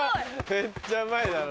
めっちゃうまいな。